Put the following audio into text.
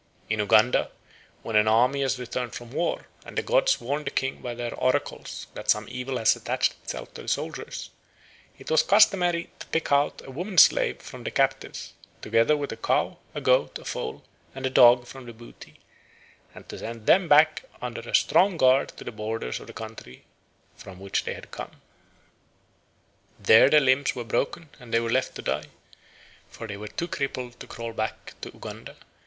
In Uganda, when an army had returned from war, and the gods warned the king by their oracles that some evil had attached itself to the soldiers, it was customary to pick out a woman slave from the captives, together with a cow, a goat, a fowl, and a dog from the booty, and to send them back under a strong guard to the borders of the country from which they had come. There their limbs were broken and they were left to die; for they were too crippled to crawl back to Uganda.